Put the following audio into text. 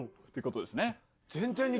っていうことですね。